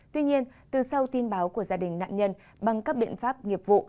tuy nhiên từ sau tin báo của gia đình nạn nhân bằng các biện pháp nghiệp vụ